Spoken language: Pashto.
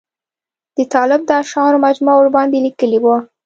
د طالب د اشعارو مجموعه ورباندې لیکلې وه.